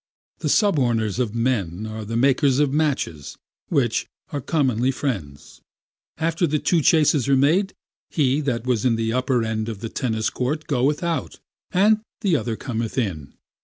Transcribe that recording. The suborners of men are the makers of matches, which are commonly friends. After the two chases are made, he that was in the upper end of the tennis court goeth out, and the other cometh in.